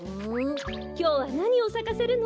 きょうはなにをさかせるの？